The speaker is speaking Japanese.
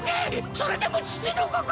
それでも父の子か！